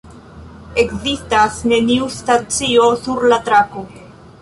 Ekzistas neniu stacio sur la trako.